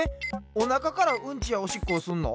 おなかからうんちやおしっこをすんの？